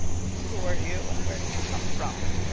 "Who are you, and where did you come from?"